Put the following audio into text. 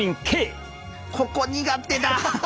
ここ苦手だ。